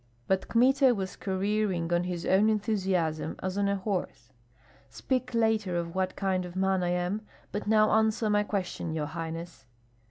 But Kmita was careering on his own enthusiasm as on a horse. "Speak later of what kind of man I am; but now answer my question, your highness."